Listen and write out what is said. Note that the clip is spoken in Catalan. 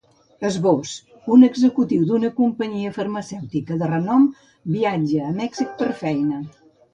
Esbós: Un executiu d’una companyia farmacèutica de renom viatja a Mèxic per feina.